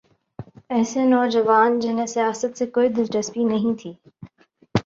ایسے نوجوان جنہیں سیاست سے کوئی دلچسپی نہیں تھی۔